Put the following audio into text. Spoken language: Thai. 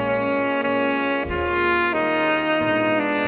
โปรดติดตามต่อไป